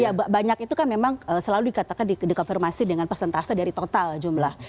ya banyak itu kan memang selalu dikatakan dikonfirmasi dengan persentase dari total jumlah